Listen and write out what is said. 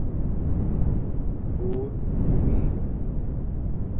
بݸت مُونی